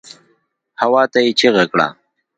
هواته يې چيغه کړه.